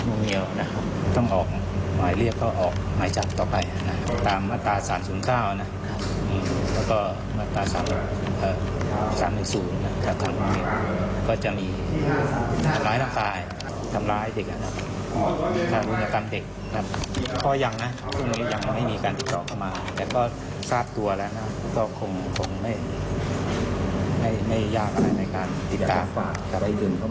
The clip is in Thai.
โดยจะเรียกผู้ต้องหาทั้งสองคนไปรับทราบข้อกล่าวหาด้วยนะครับ